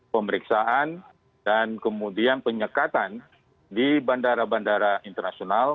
pemeriksaan dan kemudian penyekatan di bandara bandara internasional